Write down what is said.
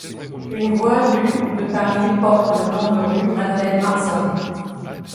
Une voie du de Paris porte le nom de rue Madeleine-Marzin.